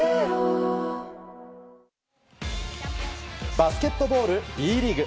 バスケットボールＢリーグ。